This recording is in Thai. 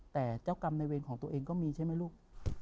แต่เจ้ากรรมในเวรของตัวเองก็มีใช่ไหมลูก